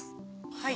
はい。